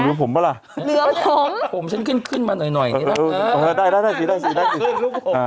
เหลือผมเปล่าล่ะเหลือผมผมฉันขึ้นมาหน่อยอย่างนี้นะ